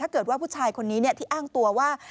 เกิดว่าผู้ชายคนนี้ที่อ้างตัวว่า